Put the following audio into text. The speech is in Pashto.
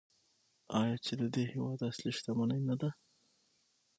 آیا چې د دې هیواد اصلي شتمني نه ده؟